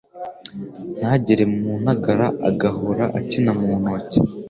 Ntagere mu ntagara Agahora akina mu ntoke